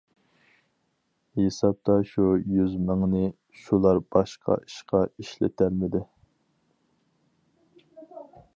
ھېسابتا شۇ يۈز مىڭنى شۇلار باشقا ئىشقا ئىشلىتەلمىدى.